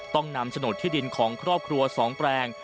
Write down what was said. ต้องนำโฉนดที่ดินของครอบครัว๒แปลง